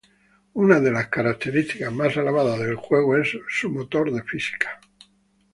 Una de las características más alabada del juego es su motor de física.